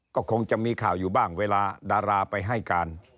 ก็คงจะมีข่าวอยู่บ้างเวลาดาราไปให้การ